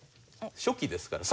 初期ですから。